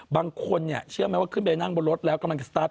บางคนเนี่ยเชื่อไหมว่าขึ้นไปนั่งบนรถแล้วกำลังสตาร์ท